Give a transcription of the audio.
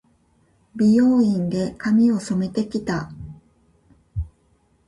美容院で、髪を染めて来た。